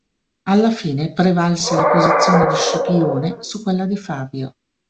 Alla fine prevalse la posizione di Scipione su quella di Fabio.